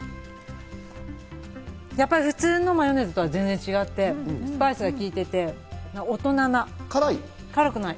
やっぱり普通のマヨネーズとは全然違ってスパイスが効いていて、大人な、辛くない。